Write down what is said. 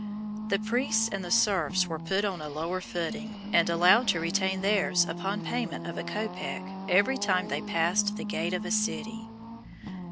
The priests and the serfs were put on a lower footing, and allowed to retain theirs upon payment of a copeck every time they passed the gate of a city.